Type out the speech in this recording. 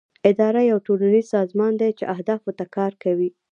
اداره یو ټولنیز سازمان دی چې اهدافو ته کار کوي.